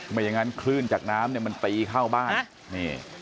ไม่อย่างนั้นคลื่นจากน้ำเนี่ยมันตีเข้าบ้านนี่